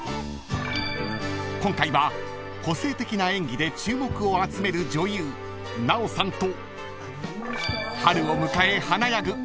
［今回は個性的な演技で注目を集める女優奈緒さんと］